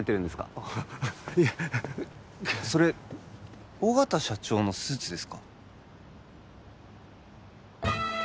あっいやそれ緒方社長のスーツですか？